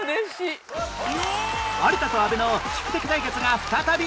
有田と阿部の宿敵対決が再び！